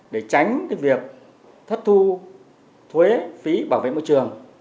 để tránh cái việc thất thu thuế phí bảo vệ môi trường